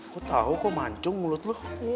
gue tau kok mancung mulut lo